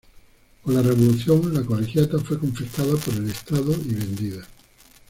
Con la Revolución la Colegiata fue confiscada por el Estado y vendida.